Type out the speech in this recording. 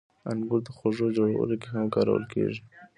• انګور د خوږو جوړولو کې هم کارول کېږي.